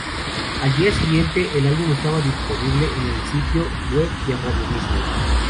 Al día siguiente, el álbum estaba disponible en el sitio web de Radio Disney.